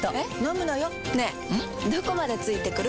どこまで付いてくる？